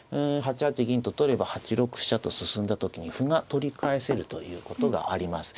８八銀と取れば８六飛車と進んだ時に歩が取り返せるということがあります。